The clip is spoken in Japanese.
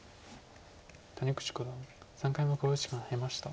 谷口五段３回目の考慮時間に入りました。